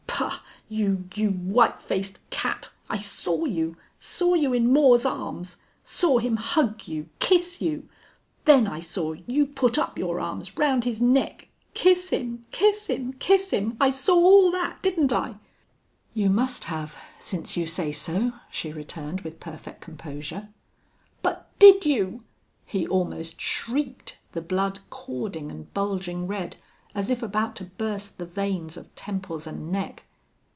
"Bah! You you white faced cat!... I saw you! Saw you in Moore's arms! Saw him hug you kiss you!... Then I saw you put up your arms round his neck kiss him kiss him kiss him!... I saw all that didn't I?" "You must have, since you say so," she returned, with perfect composure. "But did you?" he almost shrieked, the blood cording and bulging red, as if about to burst the veins of temples and neck.